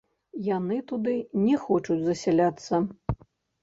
Яны туды не хочуць засяляцца.